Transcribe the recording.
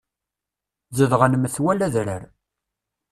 Zedɣen metwal adrar.